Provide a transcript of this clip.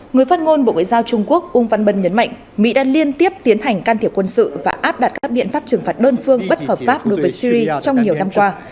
người phát ngôn bộ ngoại giao trung quốc uông văn bân nhấn mạnh mỹ đã liên tiếp tiến hành can thiệp quân sự và áp đặt các biện pháp trừng phạt đơn phương bất hợp pháp đối với syri trong nhiều năm qua